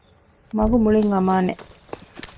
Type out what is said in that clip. މަގު މުޅިން އަމާނެ